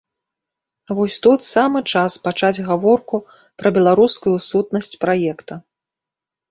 Вось тут самы час пачаць гаворку пра беларускую сутнасць праекта.